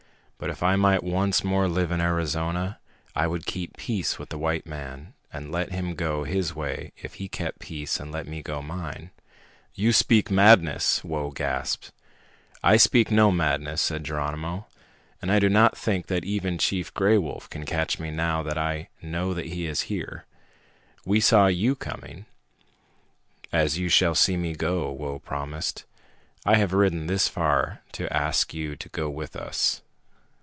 But if I might once more live in Arizona, I would keep peace with the white man and let him go his way if he kept peace and let me go mine." "You speak madness!" Whoa gasped. "I speak no madness," said Geronimo. "And I do not think that even Chief Gray Wolf can catch me now that I know he is here. We saw you coming." "As you shall see me go," Whoa promised. "I have ridden this far to ask you to go with us."